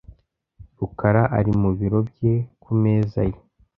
rukara ari mu biro bye ku meza ye .